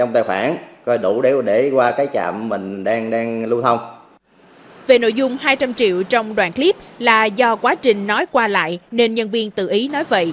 về nội dung hai trăm linh triệu trong đoàn clip là do quá trình nói qua lại nên nhân viên tự ý nói vậy